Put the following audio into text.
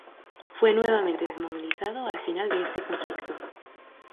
Fue nuevamente desmovilizado al final de este conflicto.